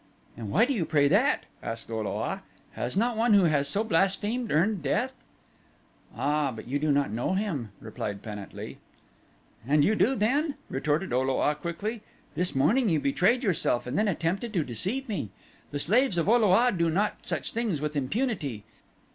"And why do you pray that?" asked O lo a. "Has not one who has so blasphemed earned death?" "Ah, but you do not know him," replied Pan at lee. "And you do, then?" retorted O lo a quickly. "This morning you betrayed yourself and then attempted to deceive me. The slaves of O lo a do not such things with impunity.